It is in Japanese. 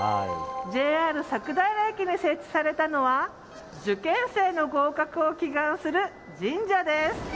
ＪＲ佐久平駅に設置されたのは、受験生の合格を祈願する神社です。